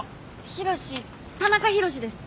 ヒロシ田中ヒロシです。